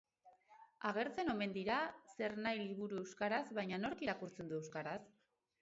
Agertzen omen dira zernahi liburu euskaraz bainan nork irakurtzen du euskaraz?